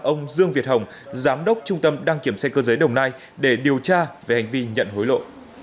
ông dương việt hồng giám đốc trung tâm đăng kiểm xe cơ giới đồng nai để điều tra về hành vi nhận hối lộ